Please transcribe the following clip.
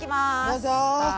どうぞ。